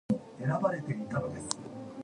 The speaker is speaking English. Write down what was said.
The award ceremony is held in London.